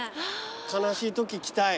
悲しいとき来たい。